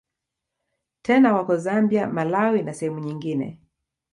Tena wako Zambia, Malawi na sehemu nyingine.